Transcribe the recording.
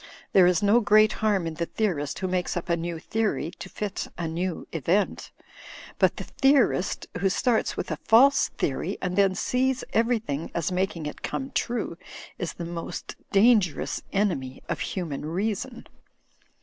There is no great harm in the theorist who makes up a new theory to fit a new event But the theorist who starts with a false theory and then sees everything as making it come true is the most dangerous enemy of human reason.